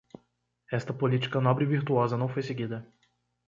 Esta política nobre e virtuosa não foi seguida.